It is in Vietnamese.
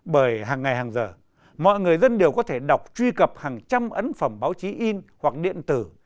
bởi hàng ngày hàng giờ mọi người dân đều có thể đọc truy cập hàng trăm ấn phẩm báo chí in hoặc điện tử